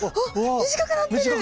短くなってる！